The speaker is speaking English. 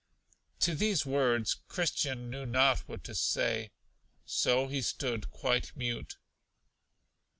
To these words Christian knew not what to say, so he stood quite mute.